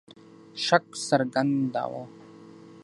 شک څرګنداوه.